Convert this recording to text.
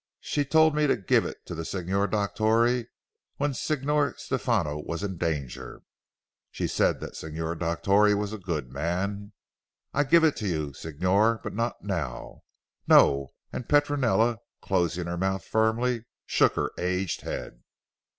She told me to give it to the Signor Dottore when Signor Stefano was in danger. She said the Signor Dottore was a good man." I give it to you Signor, but not now; "No," and Petronella closing her mouth firmly shook her aged head.